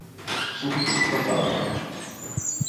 So viel zum Verfahren.